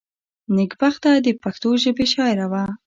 نېکبخته دپښتو ژبي شاعره وه.